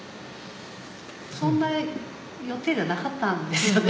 そんな予定じゃなかったんですよね。